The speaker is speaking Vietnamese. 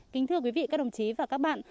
kính thưa quý vị các đồng chí và các bạn